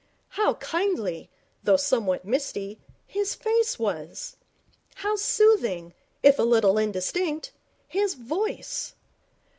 How kindly, though somewhat misty, his face was! How soothing, if a little indistinct, his voice!